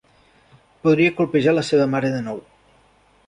Podria colpejar la seva mare de nou.